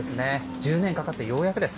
１０年かかってようやくです。